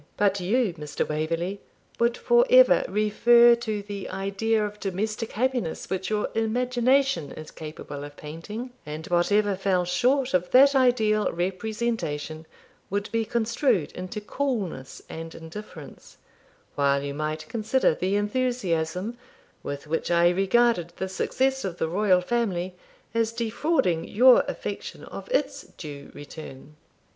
But you, Mr. Waverley, would for ever refer to the idea of domestic happiness which your imagination is capable of painting, and whatever fell short of that ideal representation would be construed into coolness and indifference, while you might consider the enthusiasm with which I regarded the success of the royal family as defrauding your affection of its due return.'